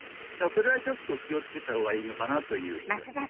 それはちょっと気を付けたほうがいいのかなという気がします。